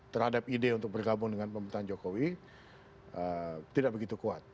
terhadap ide untuk bergabung dengan pemerintahan jokowi tidak begitu kuat